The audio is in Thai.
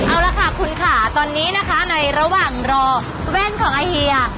เอาละค่ะคุณค่ะตอนนี้นะคะในระหว่างรอแว่นของอาเฮีย